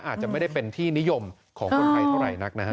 อาจจะไม่ได้เป็นที่นิยมของคนไทยเท่าไหร่นักนะฮะ